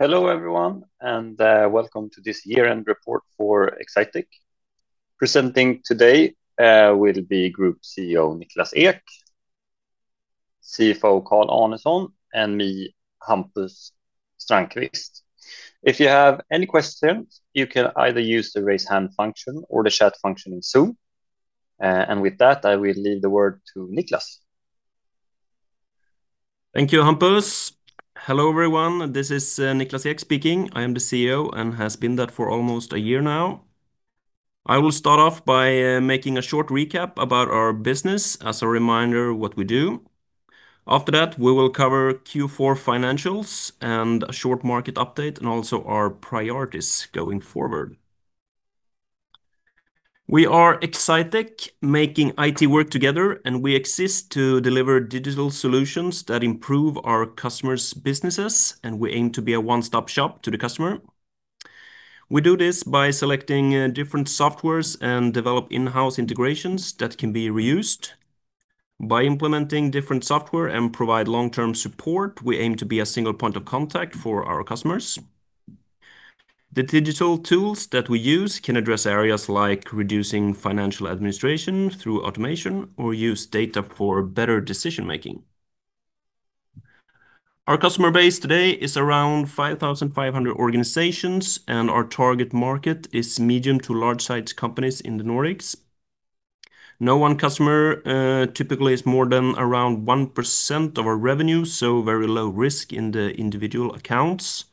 Hello everyone, and welcome to this year-end report for Exsitec. Presenting today will be Group CEO Niklas Ek, CFO Carl Arnesson, and me, Hampus Strandqvist. If you have any questions, you can either use the raise hand function or the chat function in Zoom, and with that I will leave the word to Niklas. Thank you, Hampus. Hello everyone, this is Niklas Ek speaking. I am the CEO and have been that for almost a year now. I will start off by making a short recap about our business as a reminder of what we do. After that we will cover Q4 financials and a short market update and also our priorities going forward. We are Exsitec, making IT work together, and we exist to deliver digital solutions that improve our customers' businesses, and we aim to be a one-stop shop to the customer. We do this by selecting different softwares and develop in-house integrations that can be reused. By implementing different software and providing long-term support, we aim to be a single point of contact for our customers. The digital tools that we use can address areas like reducing financial administration through automation or use data for better decision-making. Our customer base today is around 5,500 organizations, and our target market is medium to large-sized companies in the Nordics. No one customer typically is more than around 1% of our revenue, so very low risk in the individual accounts.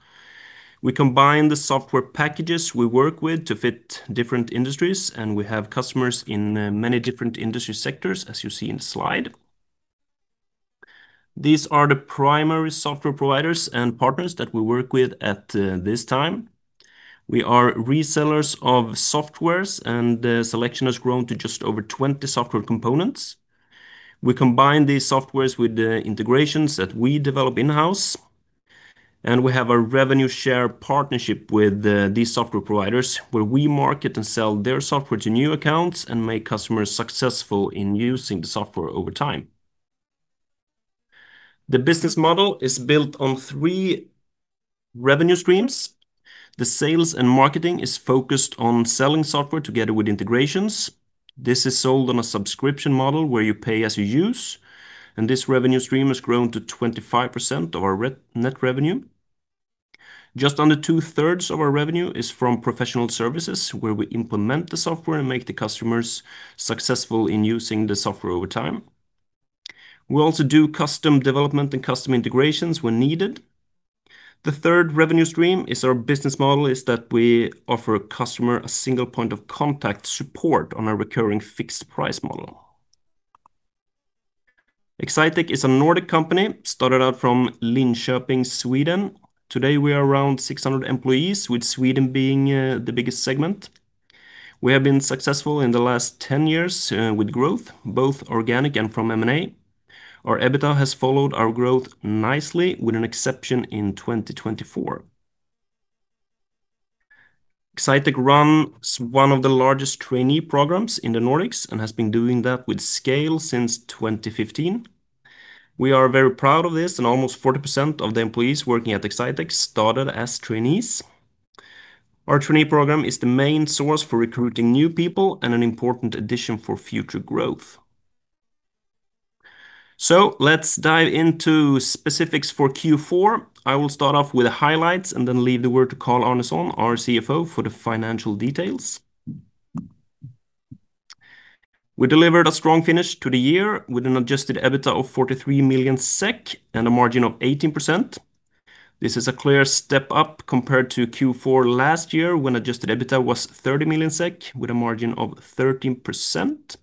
We combine the software packages we work with to fit different industries, and we have customers in many different industry sectors, as you see in the slide. These are the primary software providers and partners that we work with at this time. We are resellers of softwares, and the selection has grown to just over 20 software components. We combine these softwares with the integrations that we develop in-house, and we have a revenue share partnership with these software providers where we market and sell their software to new accounts and make customers successful in using the software over time. The business model is built on three revenue streams. The sales and marketing is focused on selling software together with integrations. This is sold on a subscription model where you pay as you use, and this revenue stream has grown to 25% of our net revenue. Just under two-thirds of our revenue is from professional services where we implement the software and make the customers successful in using the software over time. We also do custom development and custom integrations when needed. The third revenue stream is our business model, is that we offer a customer a single point of contact support on our recurring fixed price model. Exsitec is a Nordic company started out from Linköping, Sweden. Today we are around 600 employees, with Sweden being the biggest segment. We have been successful in the last 10 years, with growth, both organic and from M&A. Our EBITDA has followed our growth nicely, with an exception in 2024. Exsitec runs one of the largest trainee programs in the Nordics and has been doing that with scale since 2015. We are very proud of this, and almost 40% of the employees working at Exsitec started as trainees. Our trainee program is the main source for recruiting new people and an important addition for future growth. So let's dive into specifics for Q4. I will start off with the highlights and then leave the word to Carl Arnesson, our CFO, for the financial details. We delivered a strong finish to the year with an adjusted EBITDA of 43 million SEK and a margin of 18%. This is a clear step up compared to Q4 last year when adjusted EBITDA was 30 million SEK with a margin of 13%.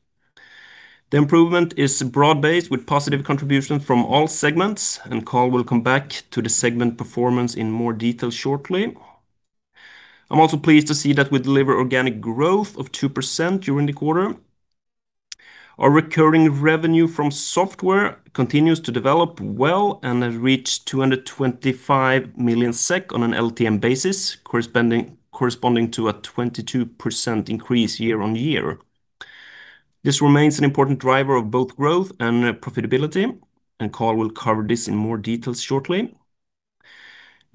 The improvement is broad-based with positive contributions from all segments, and Carl will come back to the segment performance in more detail shortly. I'm also pleased to see that we deliver organic growth of 2% during the quarter. Our recurring revenue from software continues to develop well and has reached 225 million SEK on an LTM basis, corresponding to a 22% increase year on year. This remains an important driver of both growth and profitability, and Carl will cover this in more detail shortly.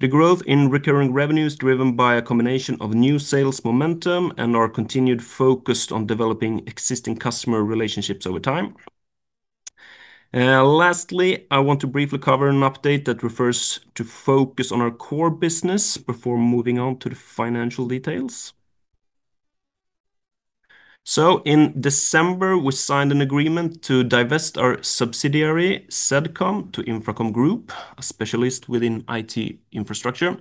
The growth in recurring revenue is driven by a combination of new sales momentum and our continued focus on developing existing customer relationships over time. Lastly, I want to briefly cover an update that refers to focus on our core business before moving on to the financial details. So in December, we signed an agreement to divest our subsidiary Zedcom to InfraCom Group, a specialist within IT infrastructure.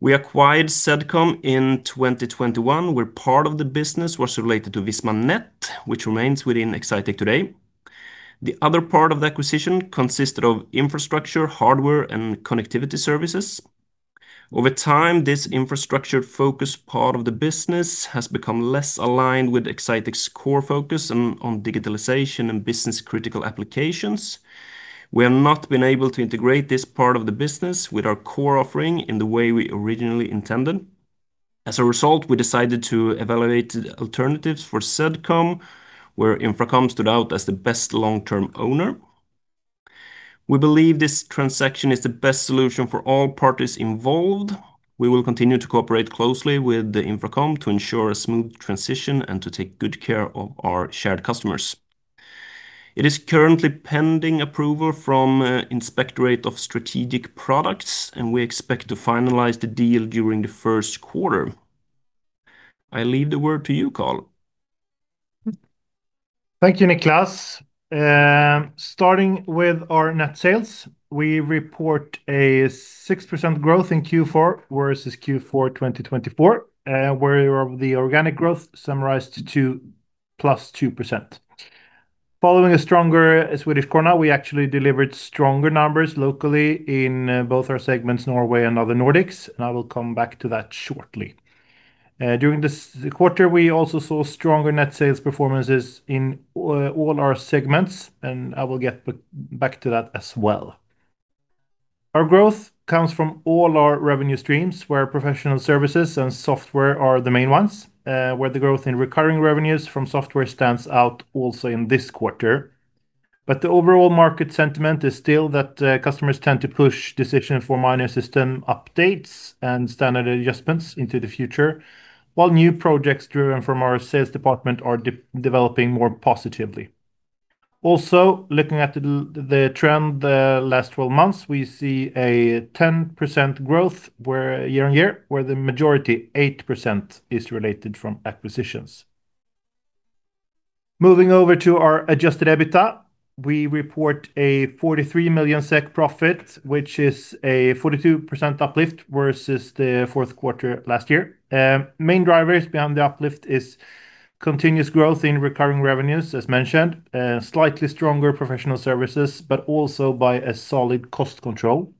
We acquired Zedcom in 2021, where part of the business was related to Visma.net, which remains within Exsitec today. The other part of the acquisition consisted of infrastructure, hardware, and connectivity services. Over time, this infrastructure focus part of the business has become less aligned with Exsitec's core focus on digitalization and business-critical applications. We have not been able to integrate this part of the business with our core offering in the way we originally intended. As a result, we decided to evaluate alternatives for Zedcom, where InfraCom stood out as the best long-term owner. We believe this transaction is the best solution for all parties involved. We will continue to cooperate closely with InfraCom to ensure a smooth transition and to take good care of our shared customers. It is currently pending approval from the Inspectorate of Strategic Products, and we expect to finalize the deal during the Q1. I leave the word to you, Carl. Thank you, Niklas. Starting with our net sales, we report a 6% growth in Q4 versus Q4 2024, where the organic growth summarized to +2%. Following a stronger Swedish krona, we actually delivered stronger numbers locally in both our segments, Norway and other Nordics, and I will come back to that shortly. During this quarter, we also saw stronger net sales performances in all our segments, and I will get back to that as well. Our growth comes from all our revenue streams, where professional services and software are the main ones, where the growth in recurring revenues from software stands out also in this quarter. But the overall market sentiment is still that, customers tend to push decisions for minor system updates and standard adjustments into the future, while new projects driven from our sales department are developing more positively. Also, looking at the trend the last 12 months, we see a 10% growth year-on-year, where the majority, 8%, is related from acquisitions. Moving over to our Adjusted EBITDA, we report a 43 million SEK profit, which is a 42% uplift versus the Q4 last year. Main drivers behind the uplift are continuous growth in recurring revenues, as mentioned, slightly stronger professional services, but also by a solid cost control.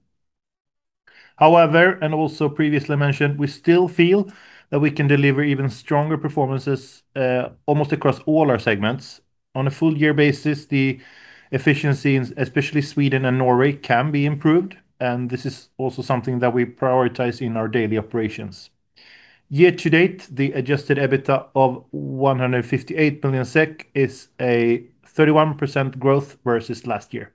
However, and also previously mentioned, we still feel that we can deliver even stronger performances, almost across all our segments. On a full-year basis, the efficiency, especially Sweden and Norway, can be improved, and this is also something that we prioritize in our daily operations. Year to date, the Adjusted EBITDA of 158 million SEK is a 31% growth versus last year.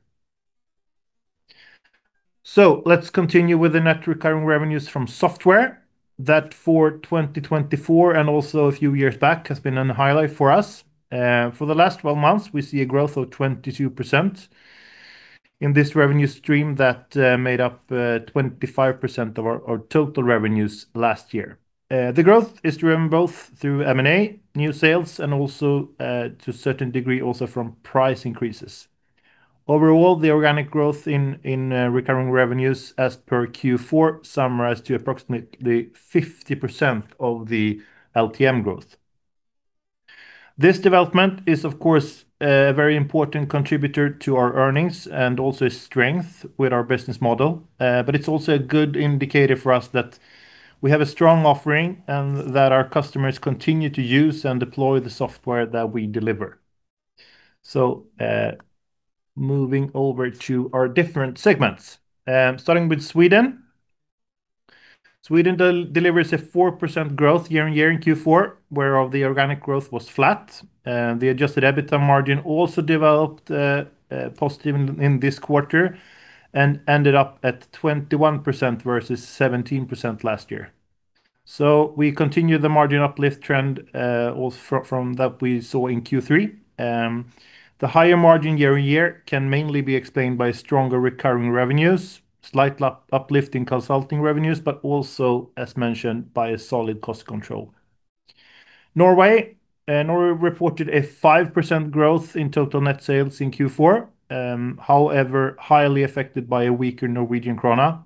So let's continue with the net recurring revenues from software. That, for 2024 and also a few years back, has been a highlight for us. For the last 12 months, we see a growth of 22% in this revenue stream that, made up, 25% of our total revenues last year. The growth is driven both through M&A, new sales, and also, to a certain degree also from price increases. Overall, the organic growth in recurring revenues, as per Q4, summarized to approximately 50% of the LTM growth. This development is, of course, a very important contributor to our earnings and also a strength with our business model, but it's also a good indicator for us that we have a strong offering and that our customers continue to use and deploy the software that we deliver. So, moving over to our different segments, starting with Sweden. Sweden delivers a 4% growth year-on-year in Q4, where the organic growth was flat. The Adjusted EBITDA margin also developed positively in this quarter and ended up at 21% versus 17% last year. So we continue the margin uplift trend, also from that we saw in Q3. The higher margin year-on-year can mainly be explained by stronger recurring revenues, slight uplift in consulting revenues, but also, as mentioned, by a solid cost control. Norway reported a 5% growth in total net sales in Q4, however, highly affected by a weaker Norwegian krone.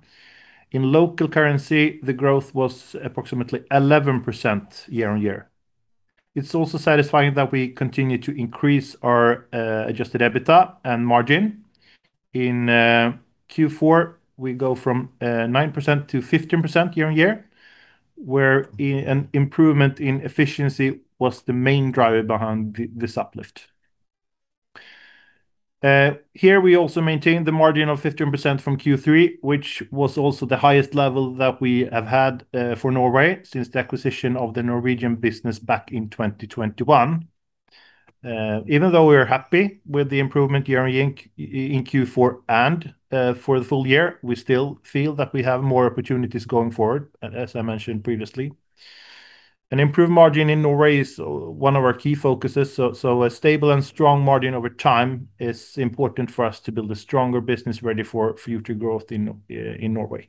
In local currency, the growth was approximately 11% year-on-year. It's also satisfying that we continue to increase our Adjusted EBITDA and margin. In Q4, we go from 9%-15% year-on-year, where an improvement in efficiency was the main driver behind this uplift. Here we also maintain the margin of 15% from Q3, which was also the highest level that we have had for Norway since the acquisition of the Norwegian business back in 2021. Even though we are happy with the improvement year-on-year in Q4 and for the full year, we still feel that we have more opportunities going forward, as I mentioned previously. An improved margin in Norway is one of our key focuses, so a stable and strong margin over time is important for us to build a stronger business ready for future growth in Norway.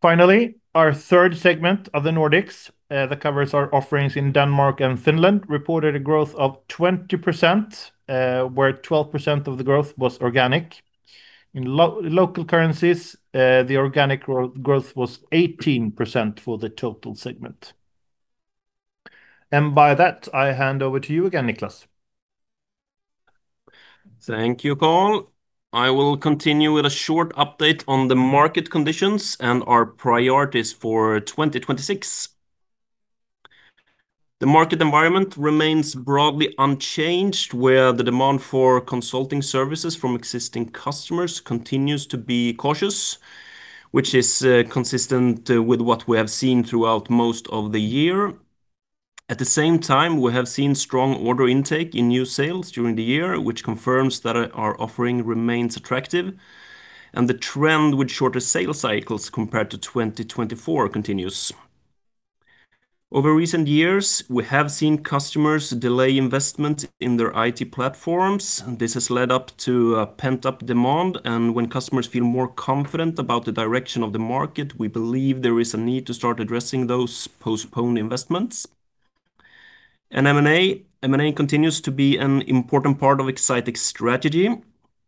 Finally, our third segment of the Nordics, that covers our offerings in Denmark and Finland, reported a growth of 20%, where 12% of the growth was organic. In local currencies, the organic growth was 18% for the total segment. By that, I hand over to you again, Niklas. Thank you, Carl. I will continue with a short update on the market conditions and our priorities for 2026. The market environment remains broadly unchanged, where the demand for consulting services from existing customers continues to be cautious, which is consistent with what we have seen throughout most of the year. At the same time, we have seen strong order intake in new sales during the year, which confirms that our offering remains attractive, and the trend with shorter sales cycles compared to 2024 continues. Over recent years, we have seen customers delay investment in their IT platforms. This has led up to pent-up demand, and when customers feel more confident about the direction of the market, we believe there is a need to start addressing those postponed investments. M&A continues to be an important part of Exsitec's strategy.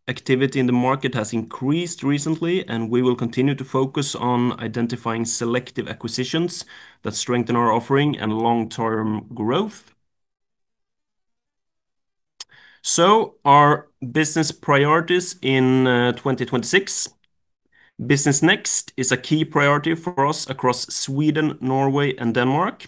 Activity in the market has increased recently, and we will continue to focus on identifying selective acquisitions that strengthen our offering and long-term growth. So our business priorities in 2026. Business NXT is a key priority for us across Sweden, Norway, and Denmark.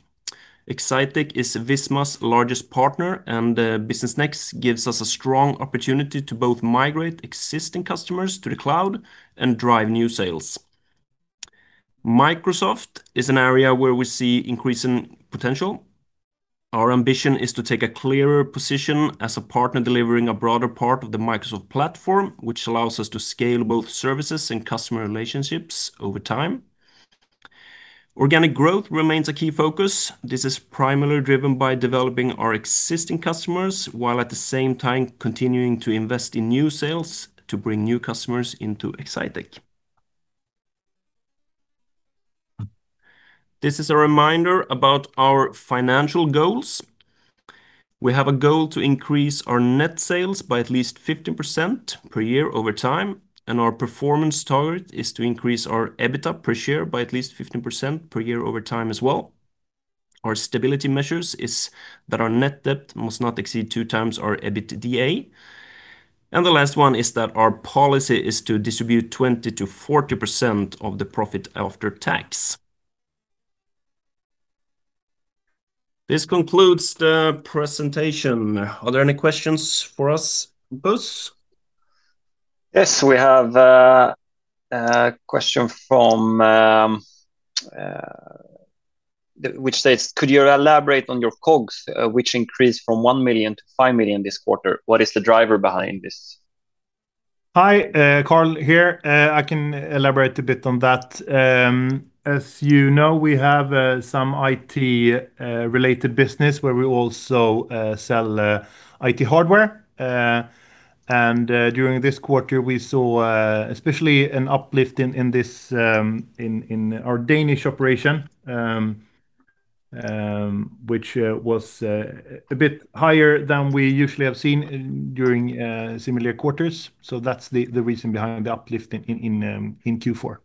Exsitec is Visma's largest partner, and Business NXT gives us a strong opportunity to both migrate existing customers to the cloud and drive new sales. Microsoft is an area where we see increasing potential. Our ambition is to take a clearer position as a partner delivering a broader part of the Microsoft platform, which allows us to scale both services and customer relationships over time. Organic growth remains a key focus. This is primarily driven by developing our existing customers, while at the same time continuing to invest in new sales to bring new customers into Exsitec. This is a reminder about our financial goals. We have a goal to increase our net sales by at least 15% per year over time, and our performance target is to increase our EBITDA per share by at least 15% per year over time as well. Our stability measure is that our net debt must not exceed two times our EBITDA. The last one is that our policy is to distribute 20%-40% of the profit after tax. This concludes the presentation. Are there any questions for us, Buzz? Yes, we have a question from, which states, "Could you elaborate on your COGS, which increased from 1 million to 5 million this quarter? What is the driver behind this? Hi, Carl here. I can elaborate a bit on that. As you know, we have some IT-related business where we also sell IT hardware. During this quarter, we saw especially an uplift in our Danish operation, which was a bit higher than we usually have seen during similar quarters. That's the reason behind the uplift in Q4.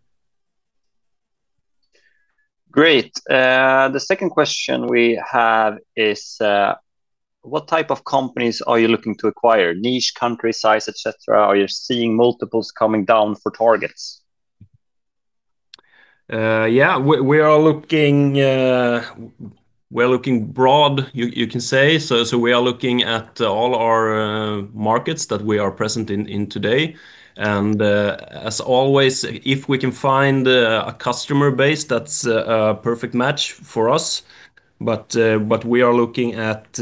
Great. The second question we have is, "What type of companies are you looking to acquire? Niche, country size, etc. Are you seeing multiples coming down for targets? Yeah, we are looking broad, you can say. So we are looking at all our markets that we are present in today. And as always, if we can find a customer base, that's a perfect match for us. But we are looking at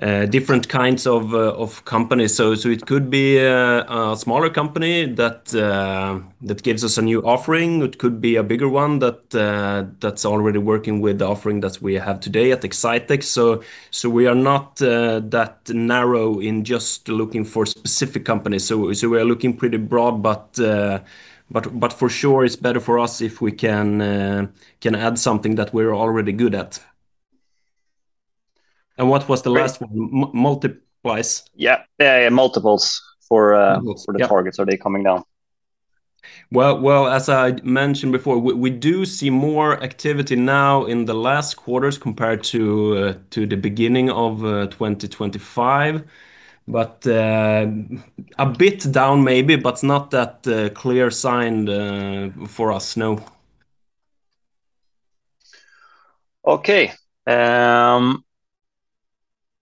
different kinds of companies. So it could be a smaller company that gives us a new offering. It could be a bigger one that's already working with the offering that we have today at Exsitec. So we are not that narrow in just looking for specific companies. So we are looking pretty broad, but for sure, it's better for us if we can add something that we're already good at. And what was the last one? Multiples? Yeah, multiples for the targets. Are they coming down? Well, as I mentioned before, we do see more activity now in the last quarters compared to the beginning of 2025. But a bit down maybe, but not that clear sign for us, no. Okay.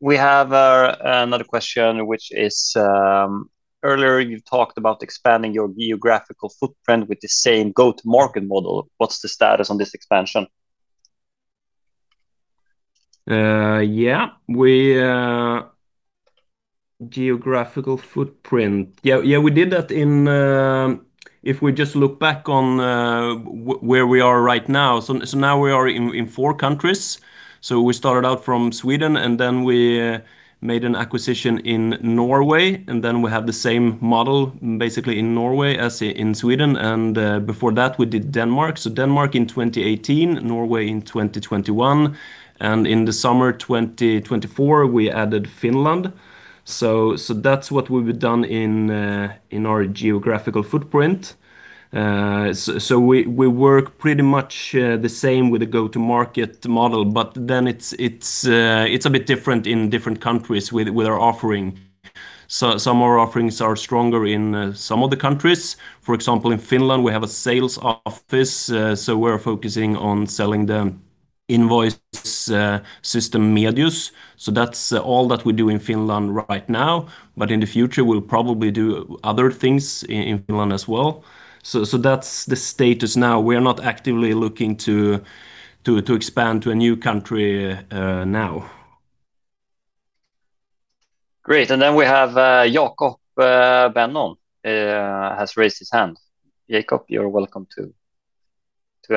We have another question, which is, "Earlier, you've talked about expanding your geographical footprint with the same go-to-market model. What's the status on this expansion? Yeah, geographical footprint. Yeah, we did that if we just look back on where we are right now. So now we are in four countries. So we started out from Sweden, and then we made an acquisition in Norway. And then we have the same model, basically in Norway as in Sweden. And before that, we did Denmark. So Denmark in 2018, Norway in 2021. And in the summer 2024, we added Finland. So that's what we've done in our geographical footprint. So we work pretty much the same with the go-to-market model, but then it's a bit different in different countries with our offering. So some of our offerings are stronger in some of the countries. For example, in Finland, we have a sales office. So we're focusing on selling the invoice system Medius. So that's all that we do in Finland right now. But in the future, we'll probably do other things in Finland as well. So that's the status now. We are not actively looking to expand to a new country now. Great. And then we have Jacob Benon has raised his hand. Jacob, you're welcome to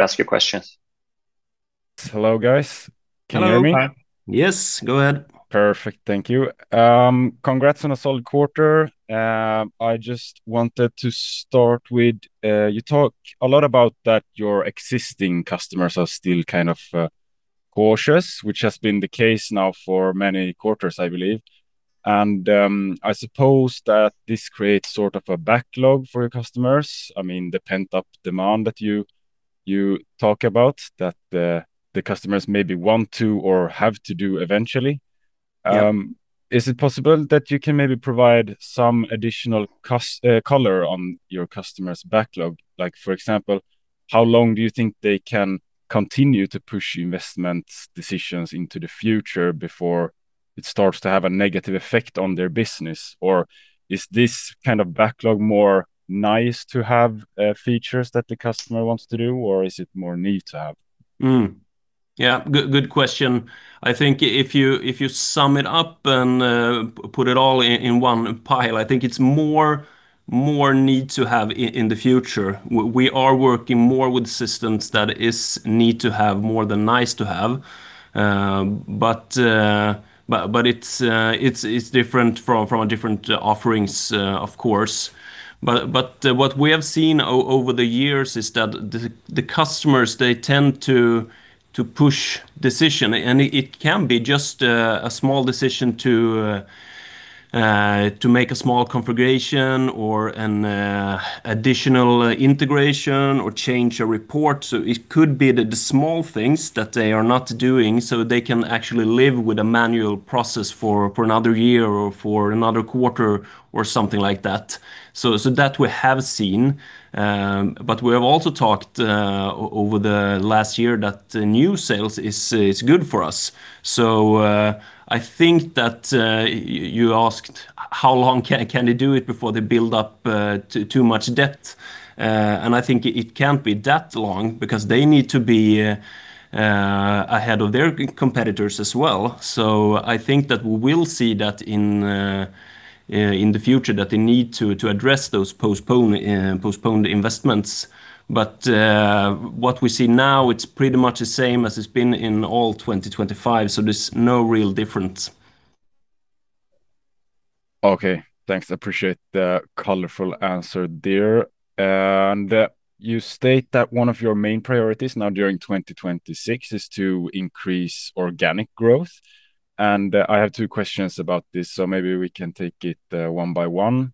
ask your questions. Hello, guys. Can you hear me? Yes, go ahead. Perfect, thank you. Congrats on a solid quarter. I just wanted to start with, you talk a lot about that your existing customers are still kind of cautious, which has been the case now for many quarters, I believe. And I suppose that this creates sort of a backlog for your customers. I mean, the pent-up demand that you talk about, that the customers maybe want to or have to do eventually. Is it possible that you can maybe provide some additional color on your customers' backlog? Like, for example, how long do you think they can continue to push investment decisions into the future before it starts to have a negative effect on their business? Or is this kind of backlog more nice to have features that the customer wants to do, or is it more need to have? Yeah, good question. I think if you sum it up and put it all in one pile, I think it's more need to have in the future. We are working more with systems that are need to have more than nice to have. But it's different from a different offerings, of course. But what we have seen over the years is that the customers, they tend to push decisions. And it can be just a small decision to make a small configuration or an additional integration or change a report. So it could be the small things that they are not doing so they can actually live with a manual process for another year or for another quarter or something like that. So that we have seen. But we have also talked over the last year that new sales is good for us. So I think that you asked how long can they do it before they build up too much debt. And I think it can't be that long because they need to be ahead of their competitors as well. So I think that we will see that in the future, that they need to address those postponed investments. But what we see now, it's pretty much the same as it's been in all 2025. So there's no real difference. Okay, thanks. I appreciate the colorful answer there. You state that one of your main priorities now during 2026 is to increase organic growth. I have two questions about this, so maybe we can take it one by one.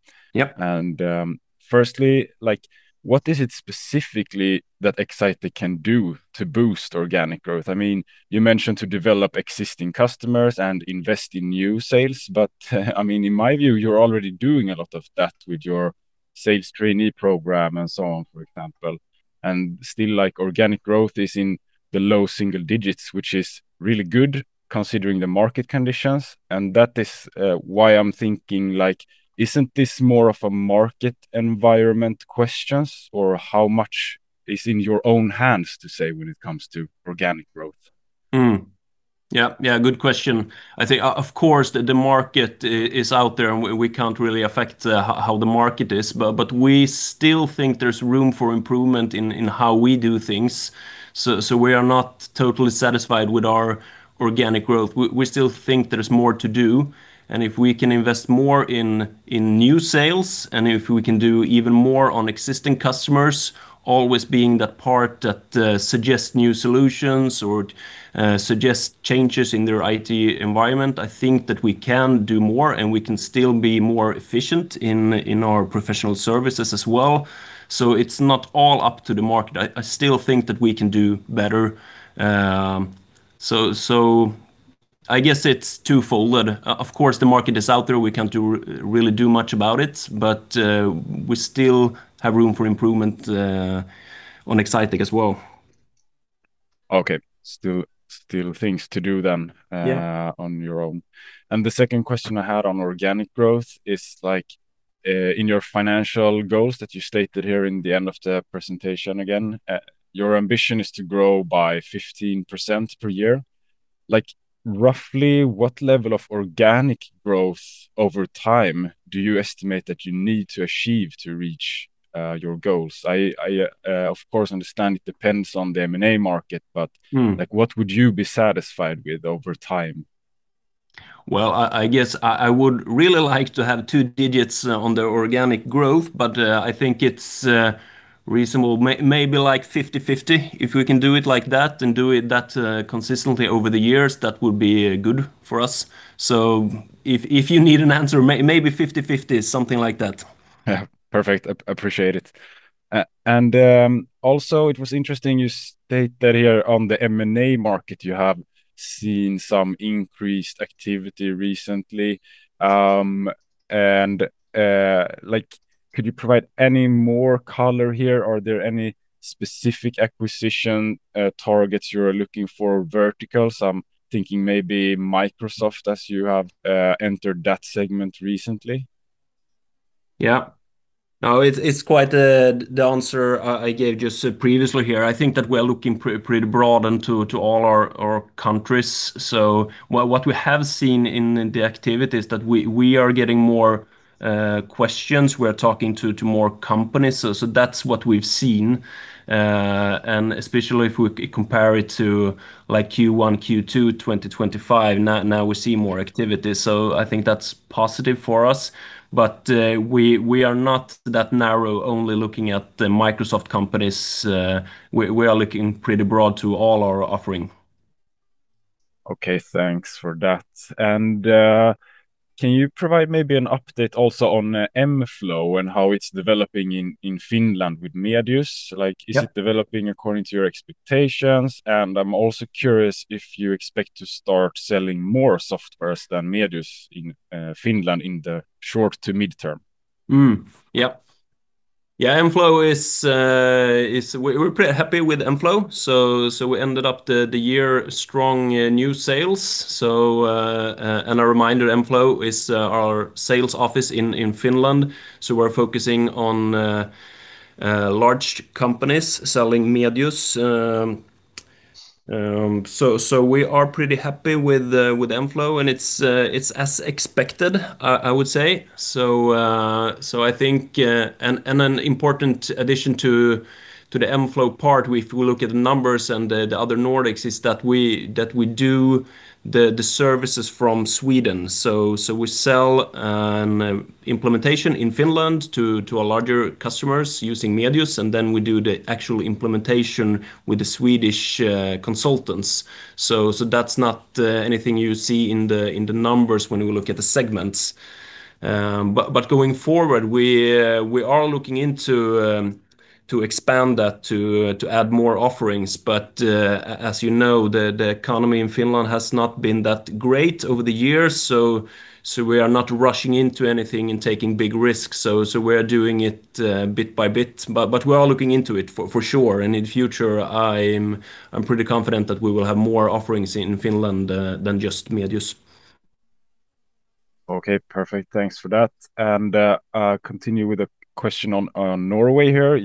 Firstly, what is it specifically that Exsitec can do to boost organic growth? I mean, you mentioned to develop existing customers and invest in new sales. But I mean, in my view, you're already doing a lot of that with your sales trainee program and so on, for example. Still, organic growth is in the low single digits, which is really good considering the market conditions. That is why I'm thinking, isn't this more of a market environment question, or how much is in your own hands, to say, when it comes to organic growth? Yeah, yeah, good question. I think, of course, the market is out there, and we can't really affect how the market is. But we still think there's room for improvement in how we do things. So we are not totally satisfied with our organic growth. We still think there's more to do. And if we can invest more in new sales, and if we can do even more on existing customers, always being that part that suggests new solutions or suggests changes in their IT environment, I think that we can do more, and we can still be more efficient in our professional services as well. So it's not all up to the market. I still think that we can do better. So I guess it's twofold. Of course, the market is out there. We can't really do much about it. But we still have room for improvement on Exsitec as well. Okay, still things to do, then on your own. And the second question I had on organic growth is, in your financial goals that you stated here in the end of the presentation again, your ambition is to grow by 15% per year. Roughly, what level of organic growth over time do you estimate that you need to achieve to reach your goals? I, of course, understand it depends on the M&A market, but what would you be satisfied with over time? Well, I guess I would really like to have 2 digits on the organic growth, but I think it's reasonable. Maybe like 50/50. If we can do it like that and do it that consistently over the years, that would be good for us. So if you need an answer, maybe 50/50, something like that. Yeah, perfect. Appreciate it. And also, it was interesting you stated here on the M&A market, you have seen some increased activity recently. And could you provide any more color here? Are there any specific acquisition targets you're looking for verticals? I'm thinking maybe Microsoft as you have entered that segment recently. Yeah. No, it's quite the answer I gave just previously here. I think that we are looking pretty broad and to all our countries. So what we have seen in the activity is that we are getting more questions. We are talking to more companies. So that's what we've seen. And especially if we compare it to Q1, Q2, 2025, now we see more activity. So I think that's positive for us. But we are not that narrow, only looking at Microsoft companies. We are looking pretty broad to all our offering. Okay, thanks for that. And can you provide maybe an update also on M-flow and how it's developing in Finland with Medius? Is it developing according to your expectations? And I'm also curious if you expect to start selling more softwares than Medius in Finland in the short to mid-term. Yeah. Yeah, M-flow, we're pretty happy with M-flow. So we ended up the year strong new sales. And a reminder, M-flow is our sales office in Finland. So we're focusing on large companies selling Medius. So we are pretty happy with M-flow, and it's as expected, I would say. So I think an important addition to the M-flow part, if we look at the numbers and the other Nordics, is that we do the services from Sweden. So we sell an implementation in Finland to our larger customers using Medius, and then we do the actual implementation with the Swedish consultants. So that's not anything you see in the numbers when we look at the segments. But going forward, we are looking into expand that to add more offerings. But as you know, the economy in Finland has not been that great over the years. We are not rushing into anything and taking big risks. So we are doing it bit by bit. But we are looking into it for sure. And in the future, I'm pretty confident that we will have more offerings in Finland than just Medius. Okay, perfect. Thanks for that. And I'll continue with a question on Norway here.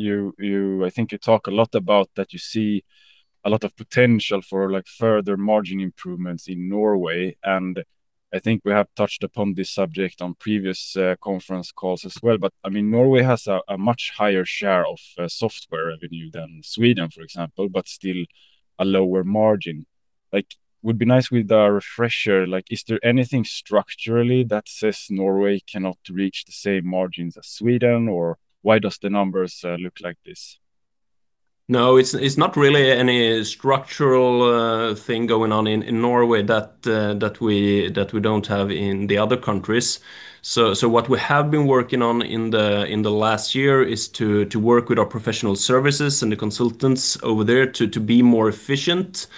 I think you talk a lot about that you see a lot of potential for further margin improvements in Norway. And I think we have touched upon this subject on previous conference calls as well. But I mean, Norway has a much higher share of software revenue than Sweden, for example, but still a lower margin. It would be nice with a refresher. Is there anything structurally that says Norway cannot reach the same margins as Sweden, or why does the numbers look like this? No, it's not really any structural thing going on in Norway that we don't have in the other countries. So what we have been working on in the last year is to work with our professional services and the consultants over there to be more efficient.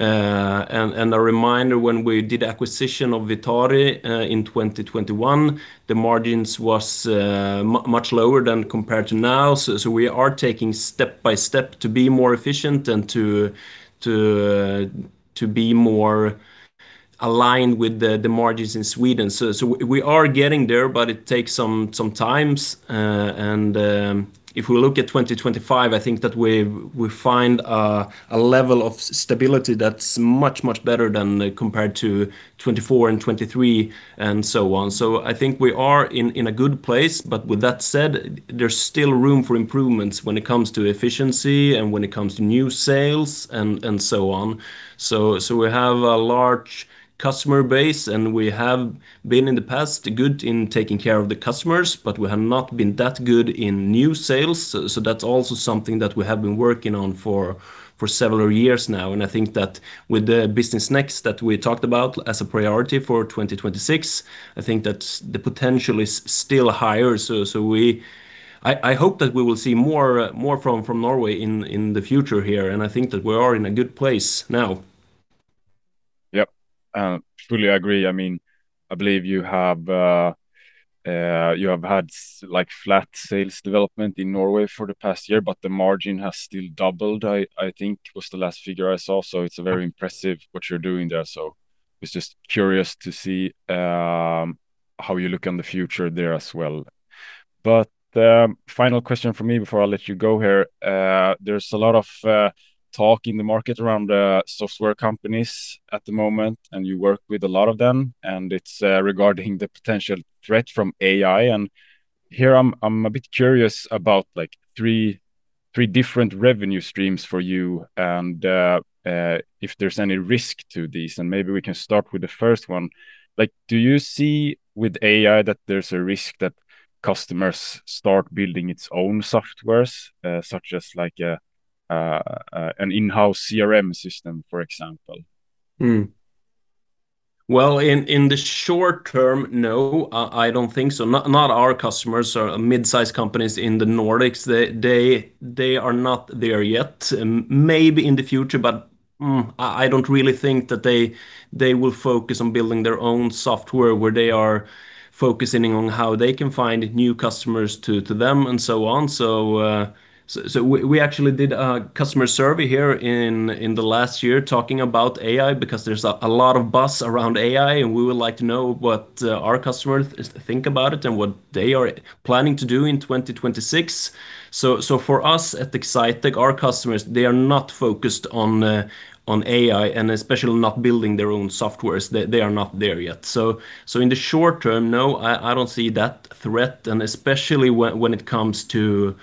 And a reminder, when we did acquisition of Vitari in 2021, the margins were much lower than compared to now. So we are taking step by step to be more efficient and to be more aligned with the margins in Sweden. So we are getting there, but it takes some time. And if we look at 2025, I think that we find a level of stability that's much, much better than compared to 2024 and 2023 and so on. So I think we are in a good place. But with that said, there's still room for improvements when it comes to efficiency and when it comes to new sales and so on. So we have a large customer base, and we have been in the past good in taking care of the customers, but we have not been that good in new sales. So that's also something that we have been working on for several years now. And I think that with the Business NXT that we talked about as a priority for 2026, I think that the potential is still higher. So I hope that we will see more from Norway in the future here. And I think that we are in a good place now. Yep, fully agree. I mean, I believe you have had flat sales development in Norway for the past year, but the margin has still doubled, I think was the last figure I saw. So it's very impressive what you're doing there. So I was just curious to see how you look on the future there as well. But final question for me before I let you go here. There's a lot of talk in the market around software companies at the moment, and you work with a lot of them. And it's regarding the potential threat from AI. And here I'm a bit curious about three different revenue streams for you and if there's any risk to these. And maybe we can start with the first one. Do you see with AI that there's a risk that customers start building its own software, such as an in-house CRM system, for example? Well, in the short term, no, I don't think so. Not our customers or midsize companies in the Nordics. They are not there yet. Maybe in the future, but I don't really think that they will focus on building their own software where they are focusing on how they can find new customers to them and so on. So we actually did a customer survey here in the last year talking about AI because there's a lot of buzz around AI, and we would like to know what our customers think about it and what they are planning to do in 2026. So for us at Exsitec, our customers, they are not focused on AI, and especially not building their own softwares. They are not there yet. So in the short term, no, I don't see that threat. Especially when it comes to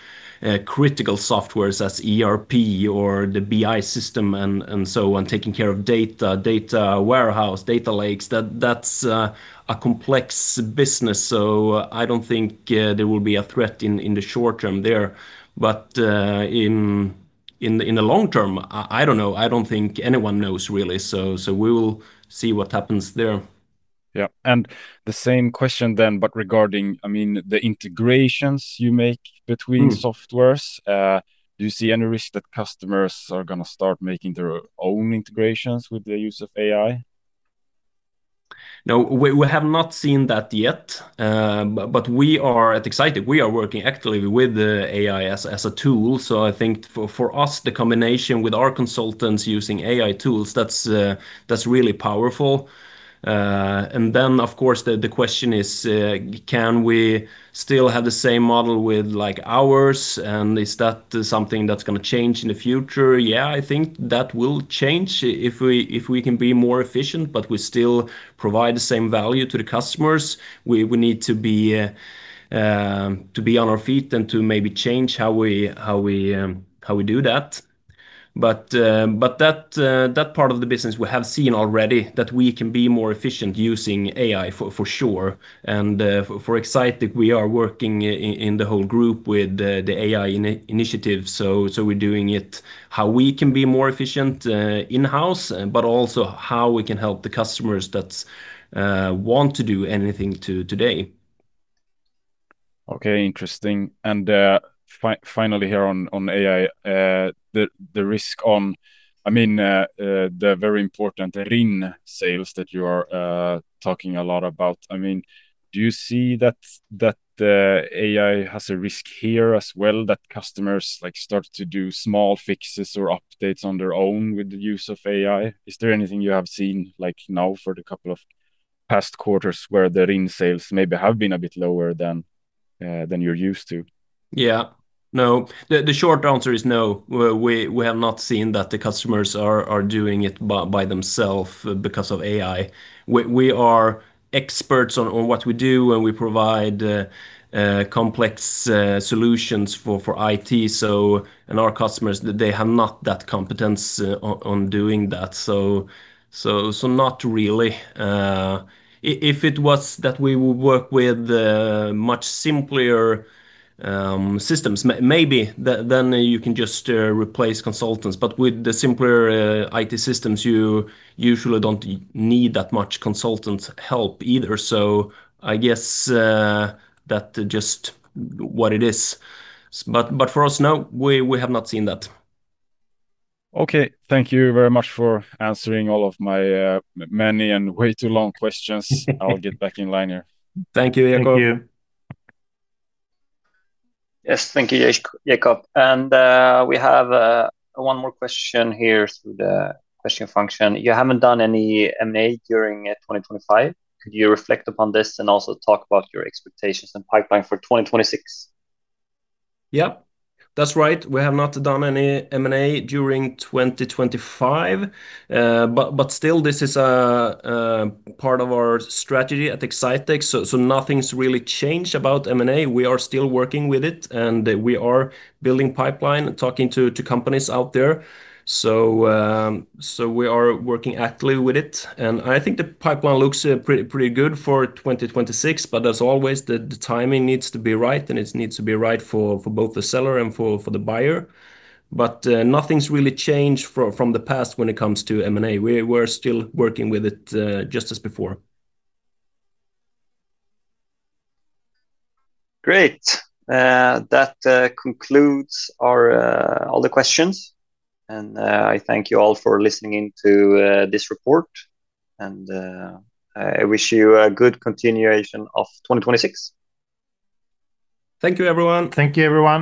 critical software such as ERP or the BI system and so on, taking care of data, data warehouse, data lakes, that's a complex business. So I don't think there will be a threat in the short term there. But in the long term, I don't know. I don't think anyone knows really. So we will see what happens there. Yeah. The same question then, but regarding, I mean, the integrations you make between softwares. Do you see any risk that customers are going to start making their own integrations with the use of AI? No, we have not seen that yet. But at Exsitec, we are working actively with AI as a tool. So I think for us, the combination with our consultants using AI tools, that's really powerful. And then, of course, the question is, can we still have the same model with ours, and is that something that's going to change in the future? Yeah, I think that will change if we can be more efficient, but we still provide the same value to the customers. We need to be on our feet and to maybe change how we do that. But that part of the business, we have seen already that we can be more efficient using AI, for sure. And for Exsitec, we are working in the whole group with the AI initiative. So we're doing it how we can be more efficient in-house, but also how we can help the customers that want to do anything today. Okay, interesting. And finally here on AI, the risk on, I mean, the very important run sales that you are talking a lot about. I mean, do you see that AI has a risk here as well, that customers start to do small fixes or updates on their own with the use of AI? Is there anything you have seen now for the couple of past quarters where the run sales maybe have been a bit lower than you're used to? Yeah. No, the short answer is no. We have not seen that the customers are doing it by themselves because of AI. We are experts on what we do, and we provide complex solutions for IT. And our customers, they have not that competence on doing that. So not really. If it was that we would work with much simpler systems, maybe, then you can just replace consultants. But with the simpler IT systems, you usually don't need that much consultant help either. So I guess that's just what it is. But for us, no, we have not seen that. Okay. Thank you very much for answering all of my many and way too long questions. I'll get back in line here. Thank you, Jacob. Thank you. Yes, thank you, Jacob. We have one more question here through the question function. You haven't done any M&A during 2025. Could you reflect upon this and also talk about your expectations and pipeline for 2026? Yep, that's right. We have not done any M&A during 2025. But still, this is a part of our strategy at Exsitec. So nothing's really changed about M&A. We are still working with it, and we are building a pipeline, talking to companies out there. So we are working actively with it. And I think the pipeline looks pretty good for 2026. But as always, the timing needs to be right, and it needs to be right for both the seller and for the buyer. But nothing's really changed from the past when it comes to M&A. We're still working with it just as before. Great. That concludes all the questions. I thank you all for listening into this report. I wish you a good continuation of 2026. Thank you, everyone. Thank you, everyone.